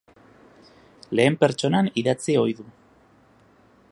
Lehen pertsonan idatzi ohi du.